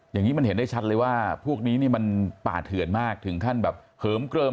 อย่างนี้มันเห็นได้ชัดเลยว่าพวกนี้นี่มันป่าเถื่อนมากถึงขั้นแบบเหิมเกลิม